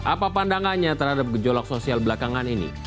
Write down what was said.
apa pandangannya terhadap gejolak sosial belakangan ini